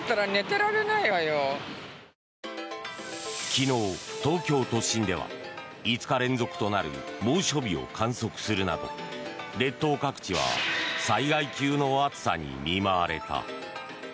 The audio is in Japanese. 昨日、東京都心では５日連続となる猛暑日を観測するなど列島各地は災害級の暑さに見舞われた。